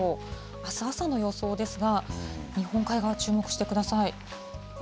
あす朝の予想ですが、日本海側、注目してください。